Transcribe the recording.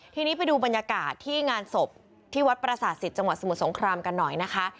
ทีนี้ไปดูบรรยากาศที่งานศพที่วัดประสาทศิษย์จังหวัดสมุทรสงครามกันหน่อยนะคะ